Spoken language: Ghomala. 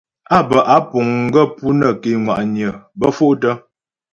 Á bə́ á puŋ gaə́ pú nə́ ké ŋwa'nyə bə́ fôktə.